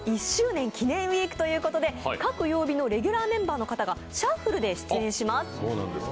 １周年記念ウィークということで各曜日のレギュラーメンバーの方がシャッフルで出演します。